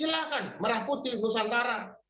silahkan merah putih nusantara